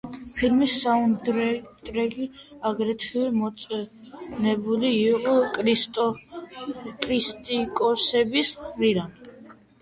ფილმის საუნდტრეკი აგრეთვე მოწონებული იყო კრიტიკოსების მხრიდან.